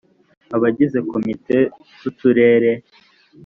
abagize komite z uturere